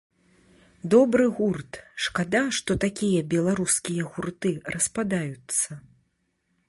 Добры гурт, шкада, што такія беларускія гурты распадаюцца.